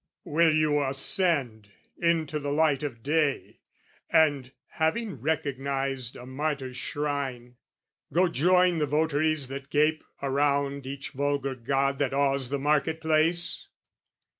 "Will you ascend into the light of day "And, having recognised a martyr's shrine, "Go join the votaries that gape around "Each vulgar god that awes the market place?